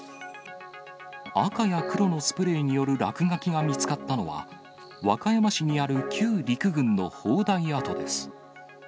赤や黒のスプレーによる落書きが見つかったのは、和歌山市にある旧陸軍の砲台跡です。